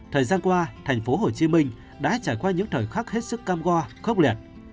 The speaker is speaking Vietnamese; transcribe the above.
thời gian qua tp hcm đã trải qua những thời khắc hết sức cam go khốc liệt